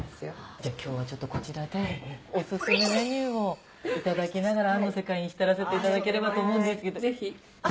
じゃ今日はちょっとこちらでお薦めメニューを頂きながら『アン』の世界に浸せていただければと思うんですけど。